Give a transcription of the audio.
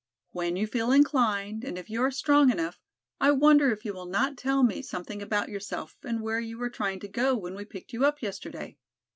"When you feel inclined and if you are strong enough, I wonder if you will not tell me something about yourself and where you were trying to go when we picked you up yesterday?